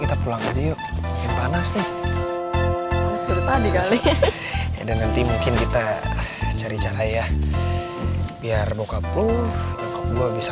kita pulang aja yuk panas nih tadi kali nanti mungkin kita cari caranya biar bokap lu bisa